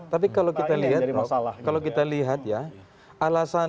tapi kalau kita lihat ya alasan